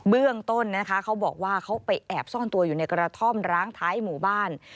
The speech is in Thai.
เบื้องต้นนะคะเขาบอกว่าเขาไปแอบซ่อนตัวอยู่ในกระท่อมร้างท้ายหมู่บ้าน